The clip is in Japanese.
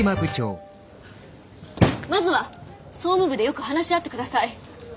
まずは総務部でよく話し合って下さい。